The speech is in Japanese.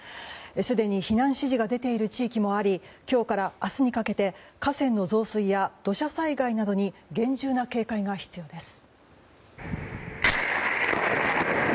すでに避難指示が出ている地域もあり今日から明日にかけて河川の増水や土砂災害などに厳重な警戒が必要です。